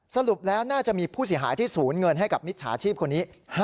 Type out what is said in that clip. สรุปแล้วน่าจะมีผู้เสียหายที่สูญเงินให้กับมิจฉาชีพคนนี้